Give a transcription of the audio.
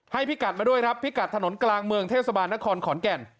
พิกัดมาด้วยครับพิกัดถนนกลางเมืองเทศบาลนครขอนแก่น